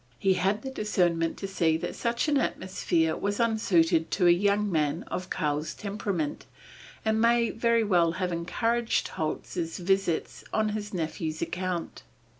He had the discernment to see that such an atmosphere was unsuited to a young man of Karl's temperament, and may very well have encouraged Holz's visits on his nephew's account.